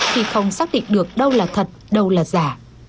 khi không xác định được đâu là thật đâu là giả